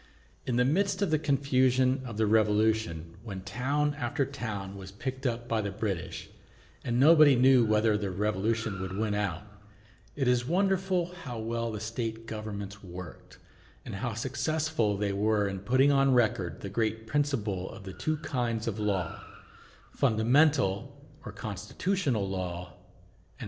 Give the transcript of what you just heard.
In the midst of the confusion of the Revolution, when town after town was picked up by the British, and nobody knew whether the Revolution would win out, it is wonderful how well the state governments worked, and how successful they were in putting on record the great principle of the two kinds of law, fundamental or constitutional law, and statute law.